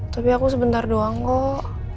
tapi aku sebentar doang kok